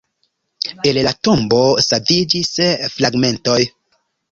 El la Tombo saviĝis fragmentoj.